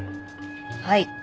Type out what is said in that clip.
はい。